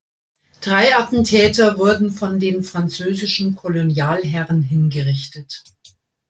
Drei Attentäter wurden von den französischen Kolonialherren hingerichtet.